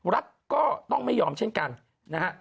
รัฐก็ต้องไม่ยอมเช่นกันนะฮะ